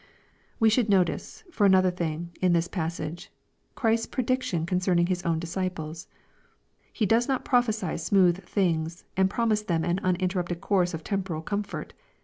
We should notice, for another thing, in this passage, Christ's prediction concerning His own disciples. He does not prophesy smooth things, and promise thena an unin terrupted course of temporal comfort.